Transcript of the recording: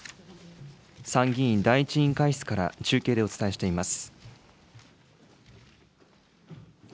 参議院第１委員会室から中継でお伝えしています。